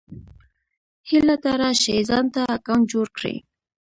هيله ده راشٸ ځانته اکونټ جوړ کړى